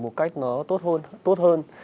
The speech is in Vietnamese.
một cách nó tốt hơn